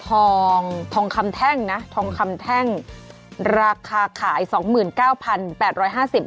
ทองทองคำแท่งนะทองคำแท่งราคาขายสองหมื่นเก้าพันแปดร้อยห้าสิบ